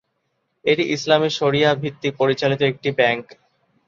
এটি ইসলামী শরীয়াহ ভিত্তিতে পরিচালিত একটি ব্যাংক।